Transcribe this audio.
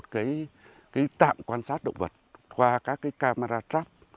cái tạm quan sát động vật qua các cái camera trap